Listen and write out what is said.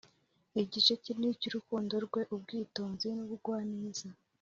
igice kinini cyurukundo rwe, ubwitonzi, nubugwaneza